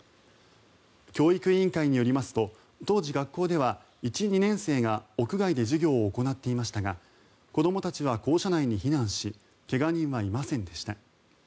教育委員会によりますと当時、学校では１、２年生が屋外で授業を行っていましたが子どもたちは校舎内に避難し怪我人はいませんでした。